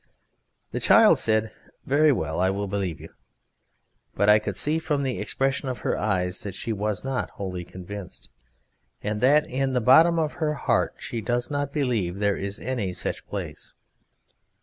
The child said, "Very well, I will believe you," but I could see from the expression of her eyes that she was not wholly convinced, and that in the bottom of her heart she does not believe there is any such place.